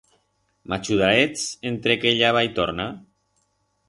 M'achudarets entre que ella va y torna?